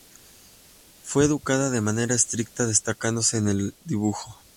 Fue educada de manera estricta, destacándose en el dibujo.